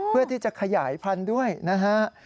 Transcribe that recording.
เพื่อที่จะขยายพันธุ์ด้วยนะฮะ